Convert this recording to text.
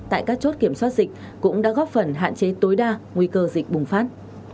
tại các chốt kiểm soát dịch cũng đã góp phần hạn chế tối đa nguy cơ dịch bùng phát